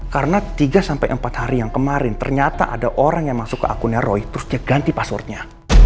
karena tiga empat hari yang kemarin ternyata ada orang yang masuk ke akunnya roy terus dia ganti passwordnya